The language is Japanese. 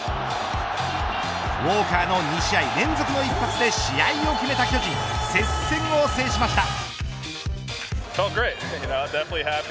ウォーカーの２試合連続の一発で試合を決めた巨人接戦を制しました。